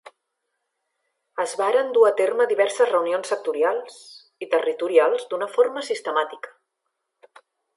Es varen dur a terme diverses reunions sectorials, i territorials d'una forma sistemàtica.